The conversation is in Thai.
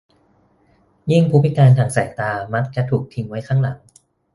ยิ่งผู้พิการทางสายตามักจะถูกทิ้งไว้ข้างหลัง